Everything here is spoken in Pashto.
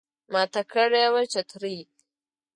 ماته کړي وه چترۍ